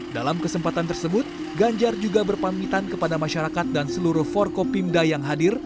dalam kesempatan tersebut ganjar juga berpamitan kepada masyarakat dan seluruh forkopimda yang hadir